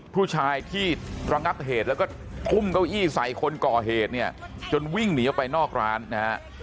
ผู้ชายที่ระงับเหตุแล้วก็ทุ่มเก้าอี้ใส่คนก่อเหตุเนี่ยจนวิ่งหนีออกไปนอกร้านนะฮะ